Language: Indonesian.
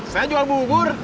saya jual bubur